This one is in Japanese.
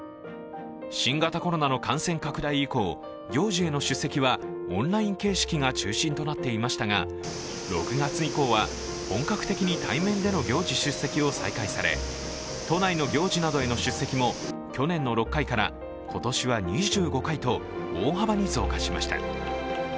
新型コロナの感染拡大以降、行事への出席はオンライン形式が中心となっていましたが６月以降は、本格的に対面での行事出席を再開され都内の行事などへの出席も去年の６回から今年は２５回と大幅に増加しました。